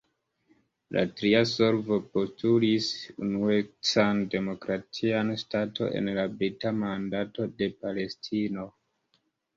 La tria solvo postulis unuecan demokratian ŝtaton en la Brita Mandato de Palestino.